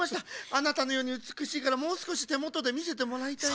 あなたのようにうつくしいからもうすこしてもとでみせてもらいたい。